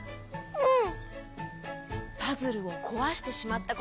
うん！